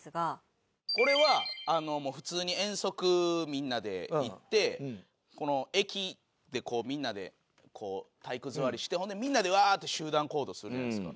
これはもう普通に遠足みんなで行って駅でみんなでこう体育座りしてほんでみんなでうわって集団行動するじゃないですか。